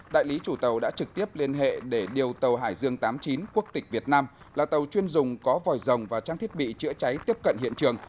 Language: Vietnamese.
đại lý chủ tàu đã trực tiếp liên hệ để điều tàu hải dương tám mươi chín quốc tịch việt nam là tàu chuyên dùng có vòi rồng và trang thiết bị chữa cháy tiếp cận hiện trường